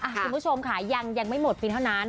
คุณผู้ชมค่ะยังไม่หมดเพียงเท่านั้น